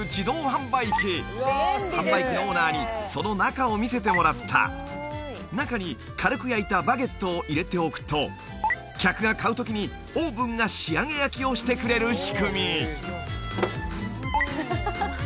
販売機のオーナーにその中を見せてもらった中に軽く焼いたバゲットを入れておくと客が買う時にオーブンが仕上げ焼きをしてくれる仕組み